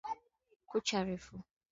Kucha refu.